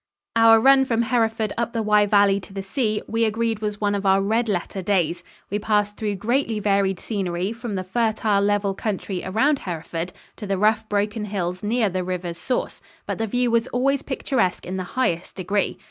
Our run from Hereford up the Wye Valley to the sea, we agreed was one of our red letter days. We passed through greatly varied scenery from the fertile, level country around Hereford to the rough, broken hills near the river's source, but the view was always picturesque in the highest degree.